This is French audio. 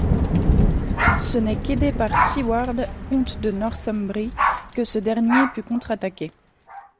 Ce n'est qu'aidé par Siward, comte de Northumbrie, que ce dernier put contre-attaquer.